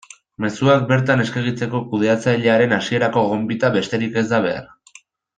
Mezuak bertan eskegitzeko kudeatzailearen hasierako gonbita besterik ez da behar.